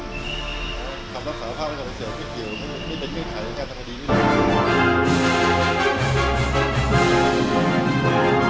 เพราะเราจะปิดล้อมในภายในการปฏิเสธ